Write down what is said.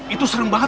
itu sering banget